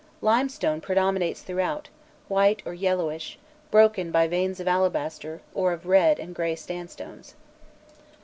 Limestone predominates throughout, white or yellowish, broken by veins of alabaster, or of red and grey sandstones.